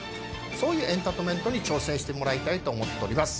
そういうエンターテインメントに挑戦してもらいたいと思ってます。